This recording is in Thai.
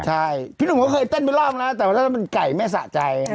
ใช่พี่หนุ่มก็เคยเต้นไปรอบแล้วแต่ว่าถ้าเป็นไก่ไม่สะใจ